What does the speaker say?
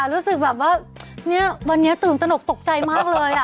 รู้สึกแบบว่าเนี่ยวันนี้ตื่นตนกตกใจมากเลย